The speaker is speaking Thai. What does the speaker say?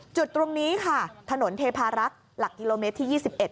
จุดตรงนี้ค่ะถนนเทพารักษ์หลักกิโลเมตรที่๒๑